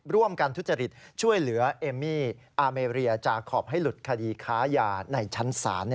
ทุจริตช่วยเหลือเอมมี่อาเมรียจาขอบให้หลุดคดีค้ายาในชั้นศาล